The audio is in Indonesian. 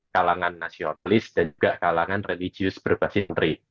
kalangan nasionalis dan juga kalangan religius berbasis santri